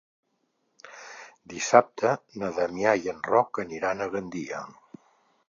Dissabte na Damià i en Roc aniran a Gandia.